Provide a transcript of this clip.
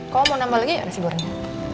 kok mau nambah lagi ada si bornya